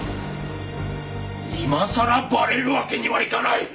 今さらバレるわけにはいかない！